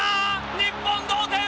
日本同点！